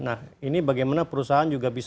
nah ini bagaimana perusahaan juga bisa